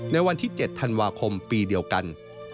ในวันที่๗ธันวาคมปีเดียวกัน